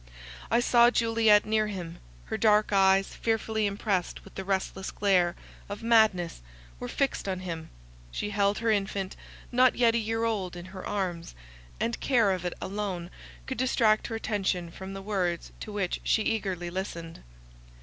I saw Juliet near him. Her dark eyes, fearfully impressed with the restless glare of madness, were fixed on him; she held her infant, not yet a year old, in her arms; and care of it alone could distract her attention from the words to which she eagerly listened.